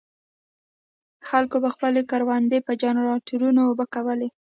خلکو به خپلې کروندې په جنراټورونو اوبه کولې.